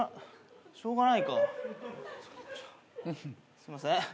すいません。